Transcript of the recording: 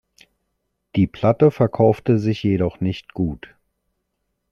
Die Platte verkaufte sich jedoch nicht gut.